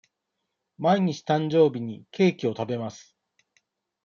毎年誕生日にケーキを食べます。